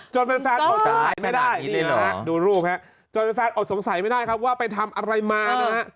จนแฟนอดสงสัยไม่ได้ดูรูปนะฮะจนแฟนอดสงสัยไม่ได้ครับว่าไปทำอะไรมานะฮะ